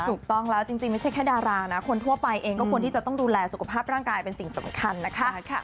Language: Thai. ถูกต้องแล้วจริงไม่ใช่แค่ดารานะคนทั่วไปเองก็ควรที่จะต้องดูแลสุขภาพร่างกายเป็นสิ่งสำคัญนะคะ